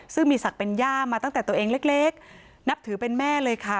ซึ่งมีศักดิ์เป็นย่ามาตั้งแต่ตัวเองเล็กนับถือเป็นแม่เลยค่ะ